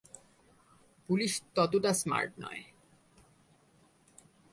Police ততটা smart নয়।